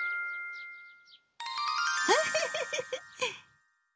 フフフフ。